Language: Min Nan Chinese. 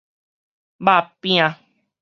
肉餅